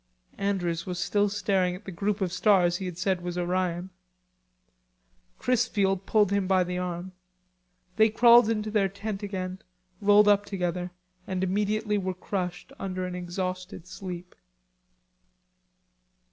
Andrews was still staring at the group of stars he had said was Orion. Chrisfield pulled him by the arm. They crawled into their tent again, rolled up together and immediately were crushed under an exhausted sleep.